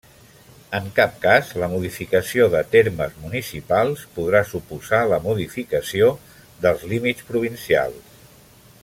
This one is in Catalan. En cap cas la modificació de termes municipals podrà suposar la modificació dels límits provincials.